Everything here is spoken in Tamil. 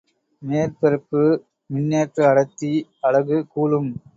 மேற்பரப்பு மின்னேற்ற அடர்த்தி அலகு கூலும்.